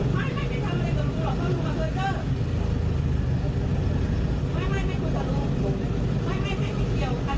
ไม่รับใจของคุกต้องรอดไปทั้งนาน